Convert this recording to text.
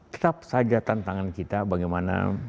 tetap saja tantangan kita bagaimana